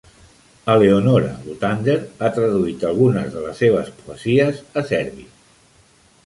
Eleonora Luthander ha traduït algunes de les seves poesies a serbi.